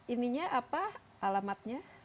ininya apa alamatnya